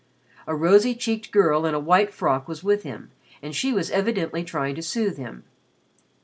A rosy cheeked girl in a white frock was with him and she was evidently trying to soothe him.